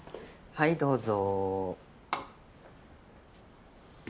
はいどうぞ。